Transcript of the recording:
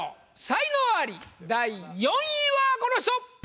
才能アリ第４位はこの人！